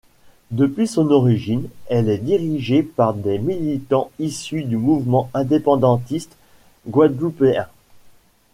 Depuis son origine, elle est dirigée par des militants issus du mouvement indépendantiste guadeloupéen.